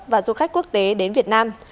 và du khách quốc tế đến việt nam